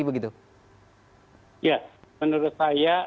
ya menurut saya